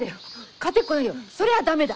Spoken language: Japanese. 勝てっこないよ。それは駄目だ。